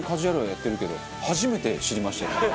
やってるけど初めて知りましたよね。